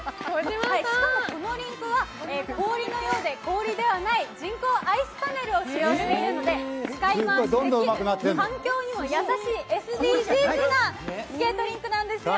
しかもこのリンクは氷のようで氷でない人口アイスパネルを使用しているので、使い回しできる、環境にも優しいＳＤＧｓなスケートリンクなんですよ。